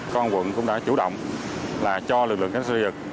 công an quận cũng đã chủ động là cho lực lượng khách sạn diệt